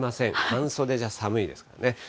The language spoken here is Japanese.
半袖じゃ寒いですからね。